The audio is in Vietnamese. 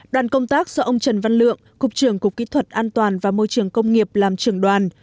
đoàn công tác do ông trần văn lượng cục trưởng cục kỹ thuật an toàn và môi trường công nghiệp làm trưởng đoàn